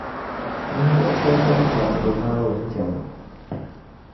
Ninvuɣu shεba ban gaandi Naawuni jɛma